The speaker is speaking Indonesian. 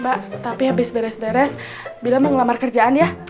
mbak tapi habis beres beres bila mau ngelamar kerjaan ya